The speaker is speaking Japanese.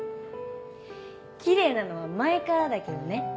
キレイなのは前からだけどね。